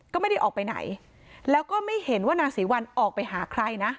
ก็ไม่ได้ออกไปไหนแล้วก็ไม่เห็นว่านางศรีวัลออกไปหาใครนะ